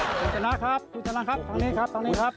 คุณชนะครับคุณจรัสครับตรงนี้ครับตรงนี้ครับ